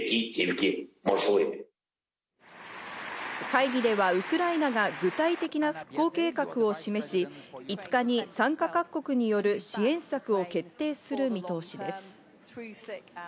会議ではウクライナが具体的な復興計画を示し、５日に参加各国による支援策を決定する見通しです。